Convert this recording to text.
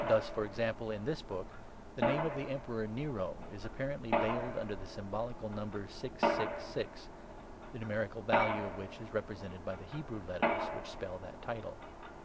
V (Thus, for example, in this Book, the name of the Emperor Nero is apparently veiled under the sym bolical number 666, the numerical value of which is represented by the Hebrew letters which spell that title).